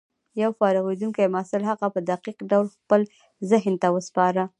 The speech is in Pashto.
يو فارغېدونکي محصل هغه په دقيق ډول خپل ذهن ته وسپاره.